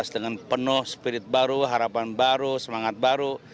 dengan penuh spirit baru harapan baru semangat baru